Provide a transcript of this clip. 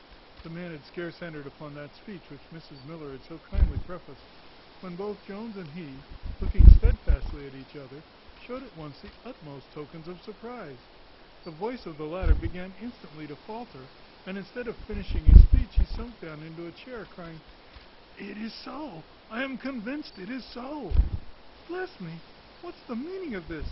The man had scarce entered upon that speech which Mrs Miller had so kindly prefaced, when both Jones and he, looking stedfastly at each other, showed at once the utmost tokens of surprize. The voice of the latter began instantly to faulter; and, instead of finishing his speech, he sunk down into a chair, crying, "It is so, I am convinced it is so!" "Bless me! what's the meaning of this?"